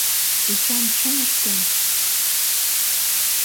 Эчан чын ыштен!